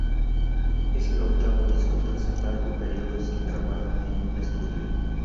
Es el octavo disco tras un largo período sin grabar en un estudio.